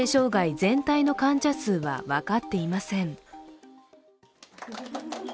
全体の患者数は分かっていません。